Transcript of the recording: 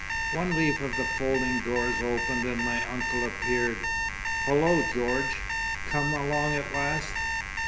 '" One leaf of the folding doors opened and my uncle appeared. "Hullo, George! Come along at last?